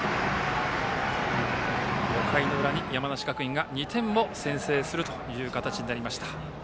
５回の裏に山梨学院が２点を先制する形になりました。